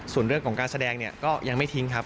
ส่วนเรื่องการแสดงก็ยังไม่ทิ้งครับ